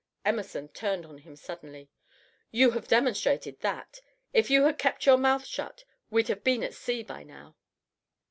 Emerson turned on him suddenly. "You have demonstrated that. If you had kept your mouth shut we'd have been at sea by now."